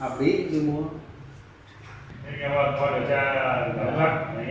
hợp lý thì chúng tôi mua